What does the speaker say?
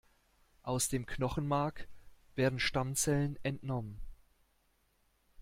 Aus dem Knochenmark werden Stammzellen entnommen.